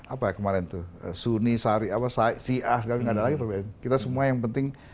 apa ya kemarin tuh sunni syariah siah nggak ada lagi kita semua yang penting